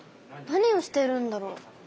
何をしているんだろう？